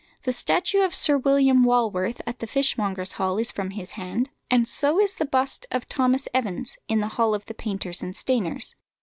The statue of Sir William Walworth at the fishmongers' Hall is from his hand, and so is the bust of Thomas Evans in the hall of the painters and stainers.